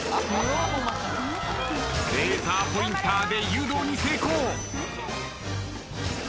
レーザーポインターで誘導に成功。